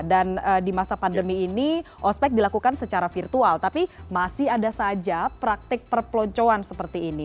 dan di masa pandemi ini ospek dilakukan secara virtual tapi masih ada saja praktik perploncoan seperti ini